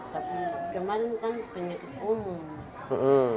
tapi kemarin kan penyakit umum